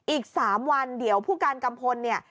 อีก๓วันเดี๋ยวผู้การกัมพลเนี่ย